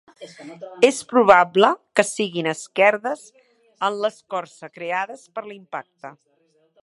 És probable que siguin esquerdes en l'escorça creades per l'impacte.